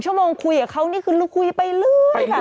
๑ชั่วโมงคุยกับเขานี่คือคุยไปรื่อย